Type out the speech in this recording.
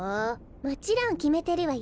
もちろんきめてるわよ